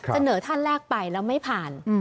เสนอท่านแรกไปแล้วไม่ผ่าน